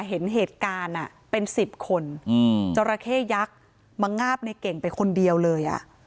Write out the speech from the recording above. เห็นเหตุการณ์เป็น๑๐คนจราเข้ยักษ์มางาบในเก่งไปคนเดียวเลย